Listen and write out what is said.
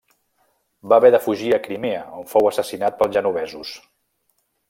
Va haver de fugir a Crimea on fou assassinat pels genovesos.